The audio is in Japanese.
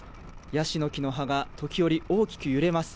ヤシの木の葉が時折、大きく揺れます。